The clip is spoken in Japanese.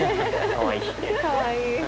かわいい。